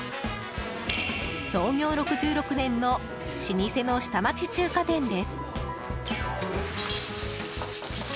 創業６６年の老舗の下町中華店です。